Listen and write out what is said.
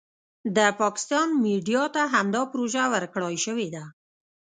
د پاکستان میډیا ته همدا پروژه ورکړای شوې ده.